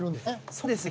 そうですね。